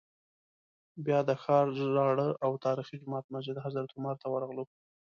بیا د ښار زاړه او تاریخي جومات مسجد حضرت عمر ته ورغلو.